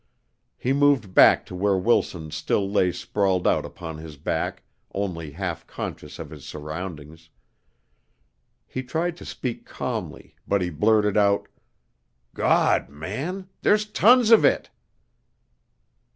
He moved back to where Wilson still lay sprawled out upon his back only half conscious of his surroundings. He tried to speak calmly, but he blurted out, "Gawd, man, there's tons of it!"